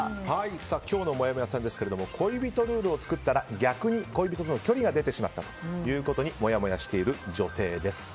今日のもやもやさんですが恋人ルールを作ったら逆に恋人と距離ができてしまったということにもやもやしている女性です。